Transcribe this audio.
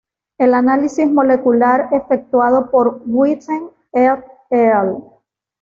El análisis molecular efectuado por Whitten et al.